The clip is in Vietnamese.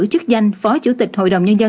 chức danh phó chủ tịch hội đồng nhân dân